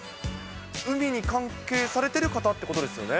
海に関係されてる方ってことですよね？